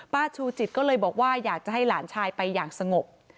ชูจิตก็เลยบอกว่าอยากจะให้หลานชายไปอย่างสงบ